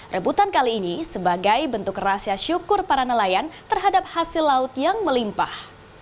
rebutan kali ini sebagai bentuk rahasia syukur para nelayan terhadap hasil laut yang melimpah